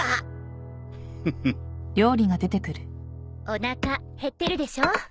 おなか減ってるでしょ？